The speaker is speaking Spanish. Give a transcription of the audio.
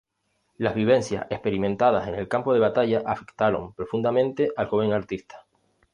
Las vivencias experimentadas en el campo de batalla afectaron profundamente al joven artista.